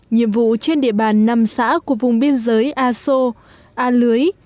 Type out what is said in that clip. nhiệm vụ trên địa bàn năm xã của vùng biên giới a xô a lưới